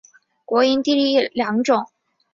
国营第一良种是下辖的一个类似乡级单位。